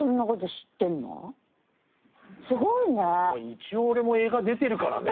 一応俺も映画出てるからね。